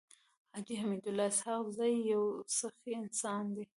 حاجي حميدالله اسحق زی يو سخي انسان دی.